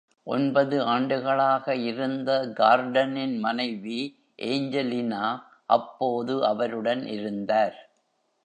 ஒன்பது ஆண்டுகளாக இருந்த கார்டனின் மனைவி, ஏன்ஜலினா, அப்போது அவருடன் இருந்தார்.